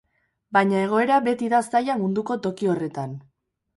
Baina egoera beti da zaila munduko toki horretan.